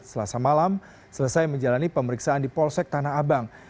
selasa malam selesai menjalani pemeriksaan di polsek tanah abang